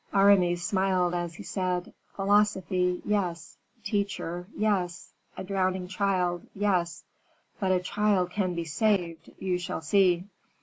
Aramis smiled as he said, "Philosophy yes; teacher yes; a drowning child yes; but a child can be saved you shall see.